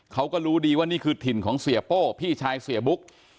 เขาก็รู้ดีว่านี่คือถิ่นของเสียโป้พี่ชายเสียบุ๊ก